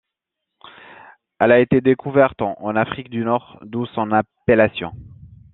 Elle a été découverte en Afrique du Nord, d'où son appellation.